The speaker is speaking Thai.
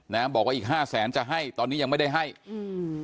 นะฮะบอกว่าอีกห้าแสนจะให้ตอนนี้ยังไม่ได้ให้อืม